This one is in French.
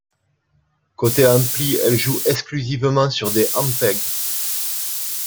Côté ampli, elle joue exclusivement sur des Ampeg.